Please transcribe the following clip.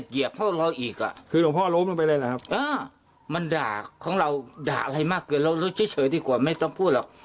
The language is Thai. เออมันด่าของเราด่าอะไรมากเกินเรารู้เฉยดีกว่าไม่ต้องพูดหรอก